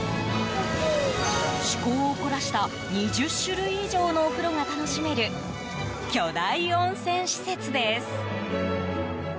趣向を凝らした２０種類以上のお風呂が楽しめる巨大温泉施設です。